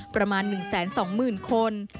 ประมาณ๑แสน๒หมื่นคน